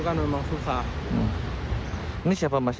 kan memang susah ini siapa mas